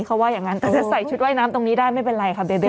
แต่ใส่ชุดว่ายน้ำตรงนี้ได้ไม่เป็นไรค่ะเบเบ